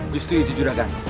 justru itu juragan